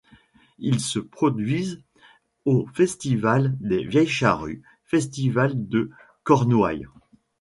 Ils se produisent au festival des Vieilles Charrues, festival de Cornouaille.